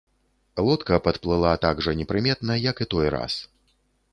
Лодка падплыла так жа непрыметна, як і той раз.